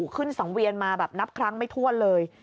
ขึ้นสองเวียนมาแบบนับครั้งไม่ทวนเลย